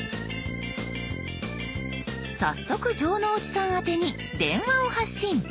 早速城之内さん宛てに電話を発信。